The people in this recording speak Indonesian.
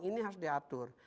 ini harus diatur